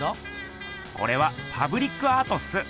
これはパブリックアートっす。